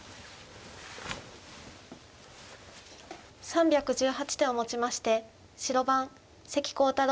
３１８手をもちまして白番関航太郎